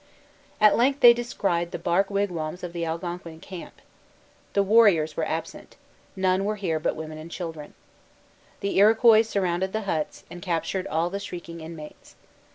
At length they descried the bark wigwams of the Algonquin camp. The warriors were absent; none were here but women and children. The Iroquois surrounded the huts, and captured all the shrieking inmates.